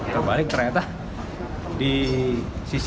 terbalik ternyata di sisi